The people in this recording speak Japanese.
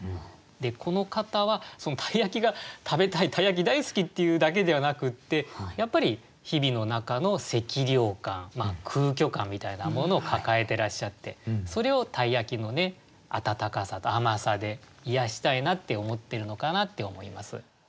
でこの方は鯛焼が食べたい鯛焼大好きっていうだけではなくってやっぱり日々の中の寂寥感空虚感みたいなものを抱えてらっしゃってそれを鯛焼の温かさと甘さで癒やしたいなって思ってるのかなって思います。